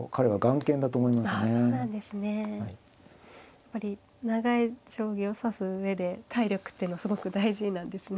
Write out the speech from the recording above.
やっぱり長い将棋を指す上で体力っていうのはすごく大事なんですね。